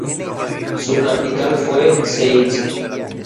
Su capital fue Zeitz.